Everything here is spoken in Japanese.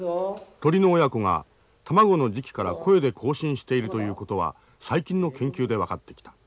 鳥の親子が卵の時期から声で交信しているということは最近の研究で分かってきた。